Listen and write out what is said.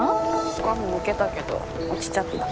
ほかも受けたけど落ちちゃった。